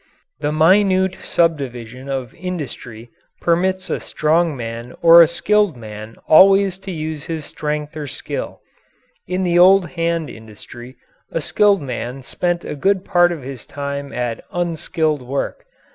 The minute subdivision of industry permits a strong man or a skilled man always to use his strength or skill. In the old hand industry, a skilled man spent a good part of his time at unskilled work.